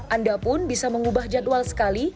anda pun bisa mengubah jadwal sekali